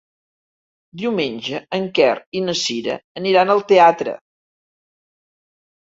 Diumenge en Quer i na Cira aniran al teatre.